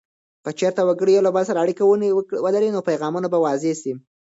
که چیرته وګړي یو بل سره اړیکه ولري، نو پیغامونه به واضح سي.